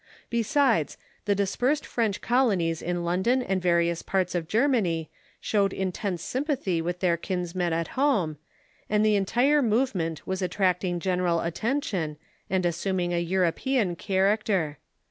Besides, the dispersed French colonies in London and various parts of Germany showed intense sympathy with their kinsmen at home, and the entire movement Avas attracting general attention and assuming a European character.